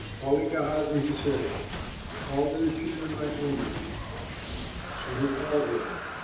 Calling Gehazi, he said, "Call this Shunamite woman." So he called her.